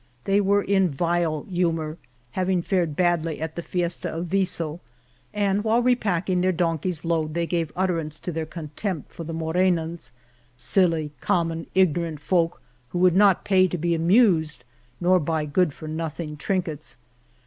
They were in vile humor, having fared badly at the fiesta of Viso, and while repacking their donke/s load they gave utterance to their contempt for the Morenans, silly, common, ignorant folk, who would not pay to be amused nor buy good for nothing trinkets.